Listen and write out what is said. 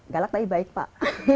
galak tapi baik pak